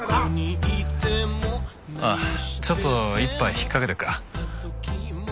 ああちょっと一杯引っ掛けてくか。